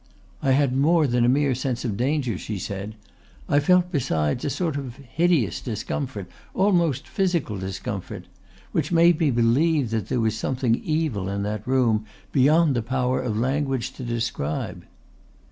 "I had more than a mere sense of danger," she said. "I felt besides a sort of hideous discomfort, almost physical discomfort, which made me believe that there was something evil in that room beyond the power of language to describe."